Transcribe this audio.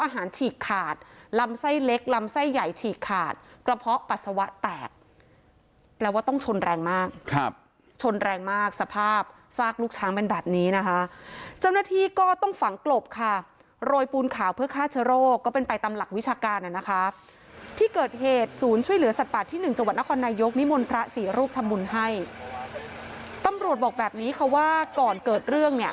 ให้เล็กลำไส้ใหญ่ฉีกขาดกระเพาะปัสสาวะแตกแปลว่าต้องชนแรงมากครับชนแรงมากสภาพซากลูกช้างเป็นแบบนี้นะคะเจ้าหน้าที่ก็ต้องฝังกลบค่ะโรยปูนข่าวเพื่อฆ่าเฉอโรคก็เป็นไปตามหลักวิชาการนะคะที่เกิดเหตุศูนย์ช่วยเหลือสัตว์ป่าที่๑จังหวัดนครนายกนิมนต์พระศรีรูปทำบุญให้ตำรวจบอกแ